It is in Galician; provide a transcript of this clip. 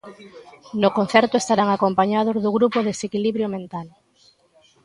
No concerto estarán acompañados do grupo Desequilibrio Mental.